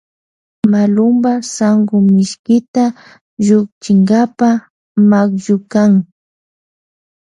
Malunpa sankumishkita llukchinkapa makllukan.